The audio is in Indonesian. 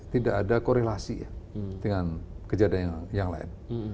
tidak ada korelasi ya dengan kejadian yang lain